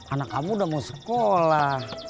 anak kamu udah mau sekolah